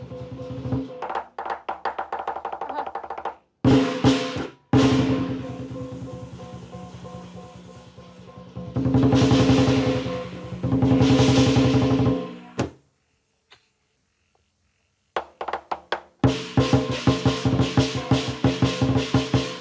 สีดีแบบนี้ให้เราถดหายได้เอง